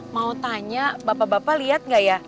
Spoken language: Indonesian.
mau tanya bapak bapak lihat nggak ya